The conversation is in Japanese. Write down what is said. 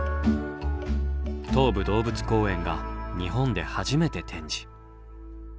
東武動物公園が日本で初めて展示。